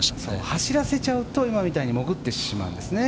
走らせちゃうと今みたいに潜ってしまうんですね。